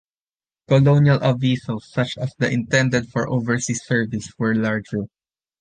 Colonial avisos, such as the intended for overseas service, were larger.